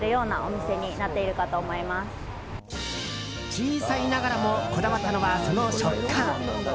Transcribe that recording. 小さいながらもこだわったのは、その食感。